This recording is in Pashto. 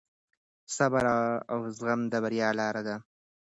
صبر او زغم د بریا لار ده.